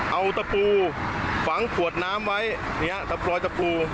เอาตะปูฝังขวดน้ำไว้เนี่ยตับปลอดตะปู